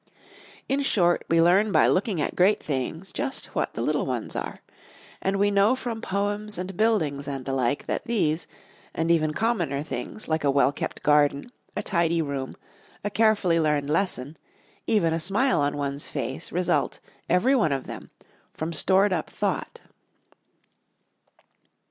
In short, we learn by looking at great things just what the little ones are; and we know from poems and buildings and the like, that these, and even commoner things, like a well kept garden, a tidy room, a carefully learned lesson, even a smile on one's face result, every one of them, from stored up thought.